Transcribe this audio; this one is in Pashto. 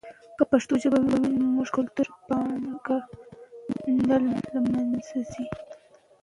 که پښتو ژبه وي نو زموږ کلتوري پانګه نه له منځه ځي.